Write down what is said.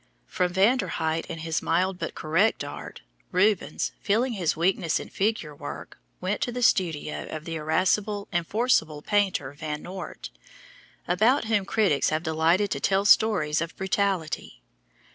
From Van der Haeght and his mild but correct art, Rubens, feeling his weakness in figure work, went to the studio of the irascible and forcible painter Van Noort, about whom critics have delighted to tell stories of brutality.